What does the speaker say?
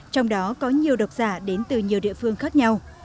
trong đó có nhiều độc giả đến từ nhiều địa phương khác nhau